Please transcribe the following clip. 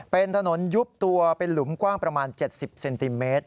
เป็นถนนยุบตัวเป็นหลุมกว้างประมาณ๗๐เซนติเมตร